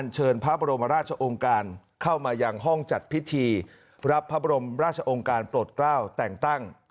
จัดพิธีรับพระบรมราชองการโปรดกล้าวแต่งตั้ง